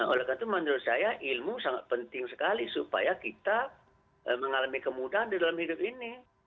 oleh karena itu menurut saya ilmu sangat penting sekali supaya kita mengalami kemudahan di dalam hidup ini